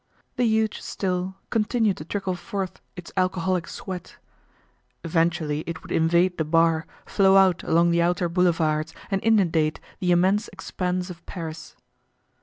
The huge still continued to trickle forth its alcoholic sweat. Eventually it would invade the bar, flow out along the outer Boulevards, and inundate the immense expanse of Paris.